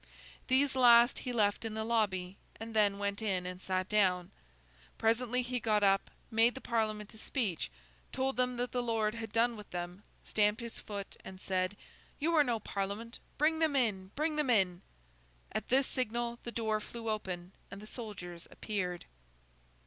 These last he left in the lobby, and then went in and sat down. Presently he got up, made the Parliament a speech, told them that the Lord had done with them, stamped his foot and said, 'You are no Parliament. Bring them in! Bring them in!' At this signal the door flew open, and the soldiers appeared.